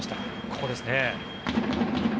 ここですね。